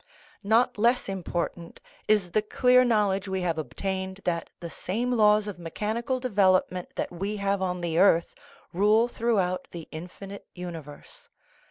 Not less important is the clear knowledge we have obtained that the same laws of mechanical development that we have on the earth rule throughout the infinite universe.